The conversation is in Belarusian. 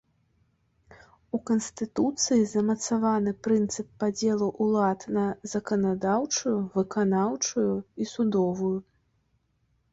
У канстытуцыі замацаваны прынцып падзелу ўлад на заканадаўчую, выканаўчую і судовую.